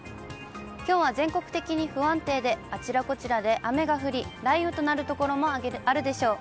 きょうは全国的に不安定で、あちらこちらで雨が降り、雷雨となる所もあるでしょう。